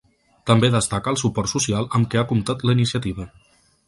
També destaca el suport social amb què ha comptat la iniciativa.